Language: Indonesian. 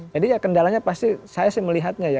jadi ya kendalanya pasti saya sih melihatnya ya